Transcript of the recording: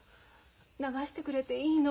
流してくれていいの。